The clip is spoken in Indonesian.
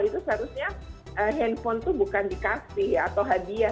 itu seharusnya handphone itu bukan dikasih atau hadiah